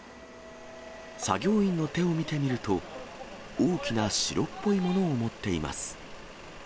作業員の手を見てみると、大きな白っぽいものを持っています。